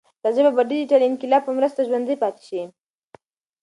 دا ژبه به د ډیجیټل انقلاب په مرسته ژوندۍ پاتې شي.